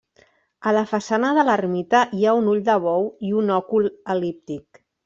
A la façana de l'ermita hi ha un ull de bou i un òcul el·líptic.